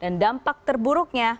dan dampak terburuknya